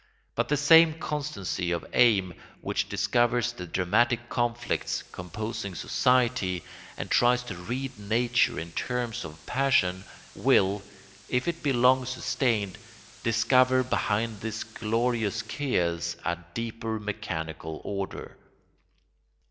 But the same constancy of aim which discovers the dramatic conflicts composing society, and tries to read nature in terms of passion, will, if it be long sustained, discover behind this glorious chaos a deeper mechanical order.